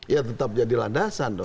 ya tetap jadi landasan dong